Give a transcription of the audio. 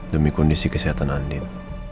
demi kondisi kesehatan andin